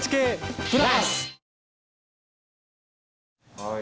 はい。